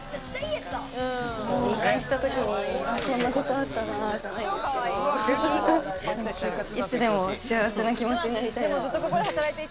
見返した時に、こんなことあったな、じゃないですけど、いつでも幸せな気持ちになりたいなと思って。